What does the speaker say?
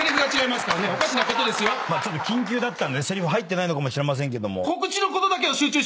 ちょっと緊急だったんでせりふ入ってないのかもしれませんけど。